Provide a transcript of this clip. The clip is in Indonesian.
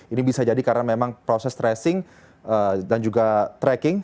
ini bisa jadi karena memang proses tracing dan juga tracking